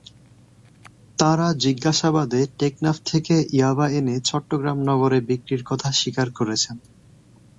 তাঁরা জিজ্ঞাসাবাদে টেকনাফ থেকে ইয়াবা এনে চট্টগ্রাম নগরে বিক্রির কথা স্বীকার করেছেন।